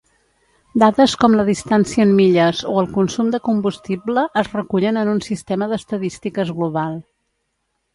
Dades com la distància en milles o el consum de combustible es recullen en un sistema d'estadístiques global.